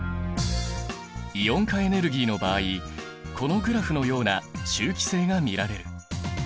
イオン化エネルギーの場合このグラフのような周期性が見られる。